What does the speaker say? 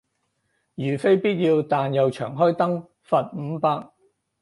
如非必要但又長開燈，罰五百